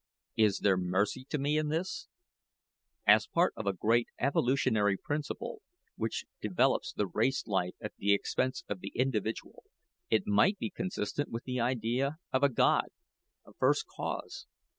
Is there mercy to me in this? As part of a great evolutionary principle, which develops the race life at the expense of the individual, it might be consistent with the idea of a God a first cause.